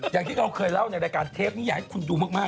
อย่างที่เราเคยเล่าในรายการเทปนี้อยากให้คุณดูมาก